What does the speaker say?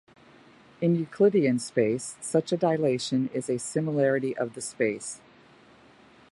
In Euclidean space, such a dilation is a similarity of the space.